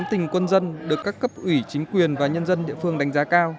tình quân dân được các cấp ủy chính quyền và nhân dân địa phương đánh giá cao